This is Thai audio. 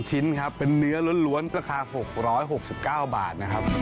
๓ชิ้นเป็นเนื้อล้วนราคา๖๖๙บาท